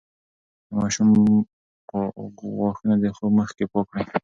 د ماشوم غاښونه د خوب مخکې پاک کړئ.